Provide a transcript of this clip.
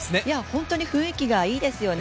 本当に雰囲気がいいですね。